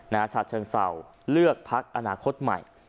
นาชาชเชิงเซาเลือกภักดิ์อนาคตใหม่